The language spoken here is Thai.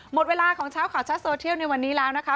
หมดเวลาของเช้าข่าวชัดโซเทียลในวันนี้แล้วนะคะ